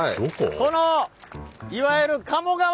このいわゆる鴨川。